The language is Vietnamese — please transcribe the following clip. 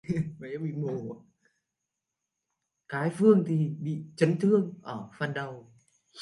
cái Phương thì bị chấn thương ở phần đầu